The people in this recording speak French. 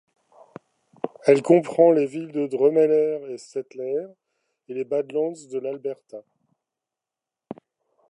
Elle comprend les villes de Drumheller et Stettler, et les badlands de l'Alberta.